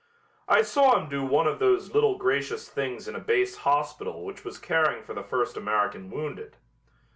I saw him do one of those little gracious things in a base hospital which was caring for the first American wounded.